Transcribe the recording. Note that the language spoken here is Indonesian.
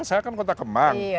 saya kan kota kembang